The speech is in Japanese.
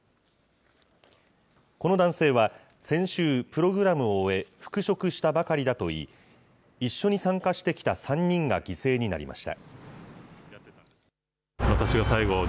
この男性は、先週、プログラムを終え、復職したばかりだといい、一緒に参加してきた３人が犠牲になりました。